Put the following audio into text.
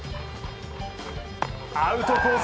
アウトコース